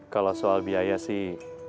kalau soal biaya sih